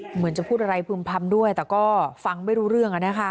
เหมือนจะพูดอะไรพึ่มพำด้วยแต่ก็ฟังไม่รู้เรื่อง